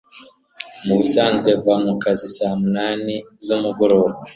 mubisanzwe mva kukazi nka saa munani z'umugoroba